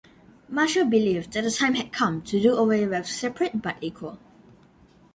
Marshall believed that the time had come to do away with "separate but equal".